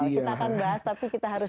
kita akan bahas tapi kita harus